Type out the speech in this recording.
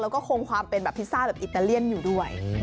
แล้วก็คงความเป็นแบบพิซซ่าแบบอิตาเลียนอยู่ด้วย